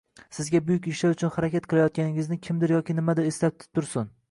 Sizga buyuk ishlar uchun harakat qilayotganingizni kimdir yoki nimadir eslatib tursin